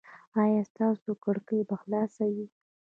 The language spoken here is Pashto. ایا ستاسو کړکۍ به خلاصه وي؟